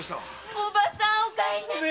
おばさんお帰りなさい。